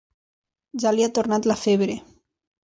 Ja li ha tornat la febre.